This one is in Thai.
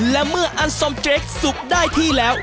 และเมื่ออันสมเจคสุกได้ที่แล้ว